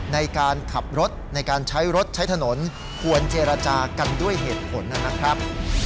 ในการขับรถในการใช้รถใช้ถนนควรเจรจากันด้วยเหตุผลนะครับ